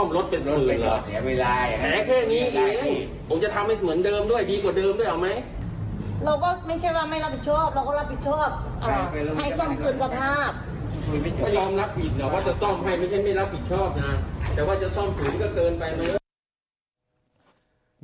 เรียกเอาอะไรแค่๒๓๐ตัวมาซ่องรถเป็นพืช